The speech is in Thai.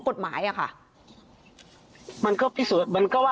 ทนายเกิดผลครับ